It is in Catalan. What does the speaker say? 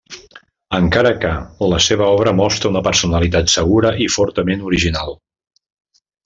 Encara que, la seva obra mostra una personalitat segura i fortament original.